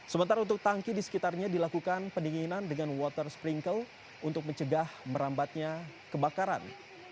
sementara untuk tangki di sekitarnya dilakukan pendinginan dengan water sprinkle untuk mencegah merambatnya kebakaran